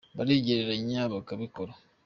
bariyegeranya bakabikora.